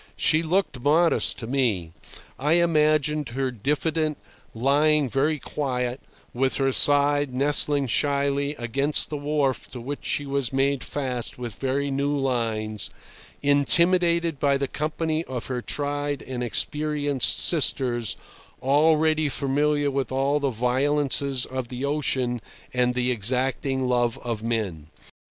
She looked modest to me. I imagined her diffident, lying very quiet, with her side nestling shyly against the wharf to which she was made fast with very new lines, intimidated by the company of her tried and experienced sisters already familiar with all the violences of the ocean and the exacting love of men.